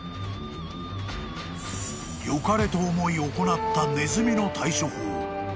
［よかれと思い行ったネズミの対処法］